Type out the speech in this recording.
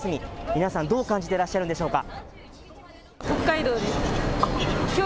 皆さん、どう感じてらっしゃるんでしょうか。